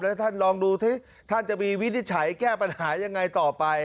และท่านลองดูที่ท่านจะมีวิธีใช้แก้ปัญหายังไงต่อไป